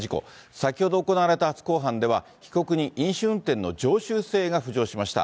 先ほど行われた初公判では、被告に飲酒運転の常習性が浮上しました。